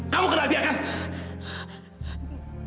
kamu kenal dia kan